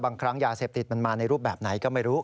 บางครั้งยาเสพติดมันมาในรูปแบบไหนก็ไม่รู้